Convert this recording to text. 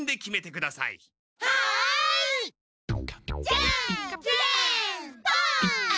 じゃんけんぽん！